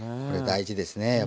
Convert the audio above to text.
これ大事ですね